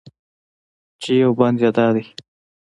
چې یو بند یې دا دی: